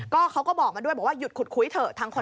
เขาก็บอกมาด้วยบอกว่าหยุดขุดคุยเถอะ